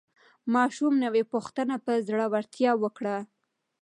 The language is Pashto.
ماشوم نوې پوښتنه په زړورتیا وکړه